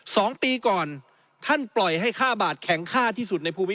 สองปีก่อนท่านปล่อยให้ค่าบาทแข็งค่าที่สุดในภูมิ